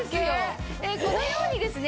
このようにですね